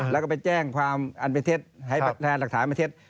แล้วก็ไปแจ้งความอันเป็นเท็จให้แทนหลักฐานไปเท็จ